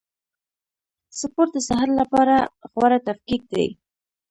سپورټ د صحت له پاره غوره تفکیک دئ.